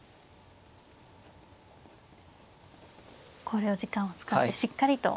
考慮時間を使ってしっかりと。